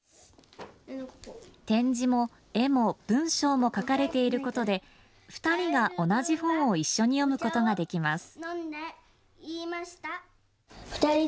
点字も絵も文章も書かれていることで２人が同じ本を一緒に読むことができます。